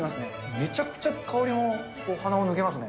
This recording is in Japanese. めちゃくちゃ香りも鼻を抜けますね。